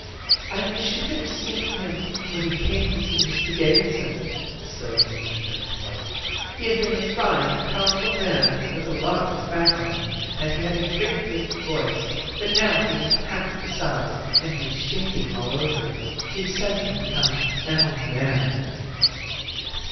"I wish you could have seen him when he came to see Mr Davidson," said the missionary's wife. "He had been a fine, powerful man, with a lot of fat on him, and he had a great big voice, but now he was half the size, and he was shaking all over. He'd suddenly become an old man."